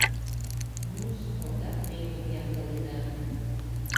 Ну-с, ондак меҥгым ямдыледа.